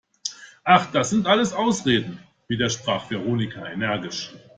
Ach, das sind alles Ausreden!, widersprach Veronika energisch.